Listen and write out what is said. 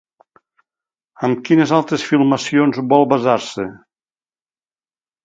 Amb quines altres filmacions vol basar-se?